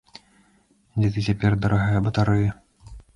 Дзе ты цяпер, дарагая батарэя?